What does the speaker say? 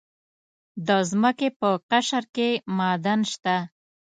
د ځمکې په قشر کې معادن شته.